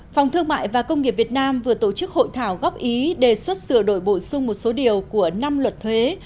phòng thương mại và công nghiệp việt nam vừa tổ chức hội thảo góp ý đề xuất sửa đổi bổ sung một số điều của năm luật thuế